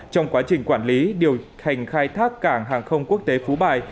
trong quá trình quản lý điều hành khai thác cảng hàng không quốc tế phú bài